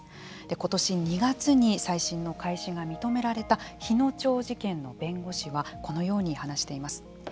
今年２月に再審の開始が認められた日野町事件の弁護士はこのように話しています。